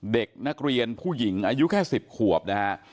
เด็กนักเรียนผู้หญิงอายุแค่๑๐ขวบนะฮะ